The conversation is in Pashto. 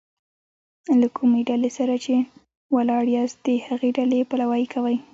له کومي ډلي سره چي ولاړ یاست؛ د هغي ډلي پلوي کوئ!